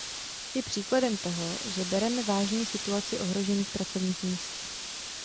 Je příkladem toho, že bereme vážně situaci ohrožených pracovních míst.